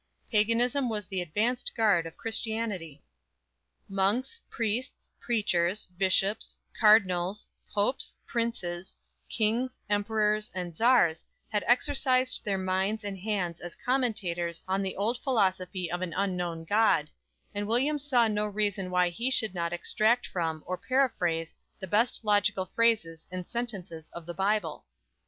Paganism was the advanced guard of Christianity! Monks, priests, preachers, bishops, cardinals, popes, princes, kings, emperors and czars had exercised their minds and hands as commentators on the old philosophy of an unknown God; and William saw no reason why he should not extract from or paraphrase the best logical phrases and sentences of the Bible.